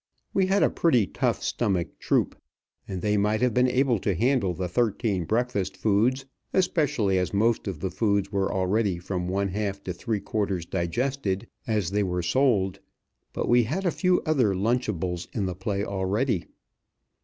We had a pretty tough stomached troup; and they might have been able to handle the thirteen breakfast foods, especially as most of the foods were already from one half to three quarters digested as they were sold, but we had a few other lunchibles in the play already.